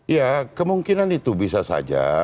ya kemungkinan itu bisa saja